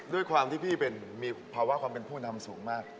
ด้วยความที่พี่เป็นมีภาวะความเป็นผู้นำสูงมาก